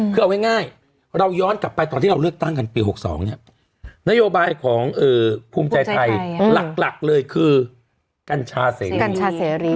คือเอาง่ายเราย้อนกลับไปตอนที่เราเลือกตั้งกันปี๖๒เนี่ยนโยบายของภูมิใจไทยหลักเลยคือกัญชาเสรีกัญชาเสรี